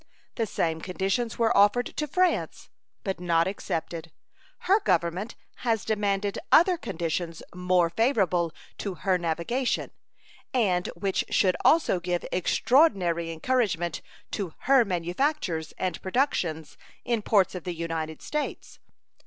The same conditions were offered to France, but not accepted. Her Government has demanded other conditions more favorable to her navigation, and which should also give extraordinary encouragement to her manufactures and productions in ports of the United States.